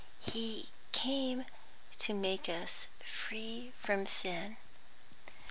"He came to make us free from sin."